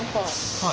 はい。